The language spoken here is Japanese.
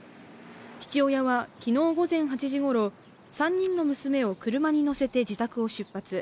父親は昨日午前８時ごろ、３人の娘を車に乗せて自宅を出発。